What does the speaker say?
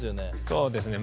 そうですね。